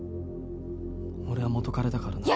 俺は元カレだからな。